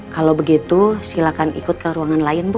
kalau begitu silakan ikut ke ruangan lain bu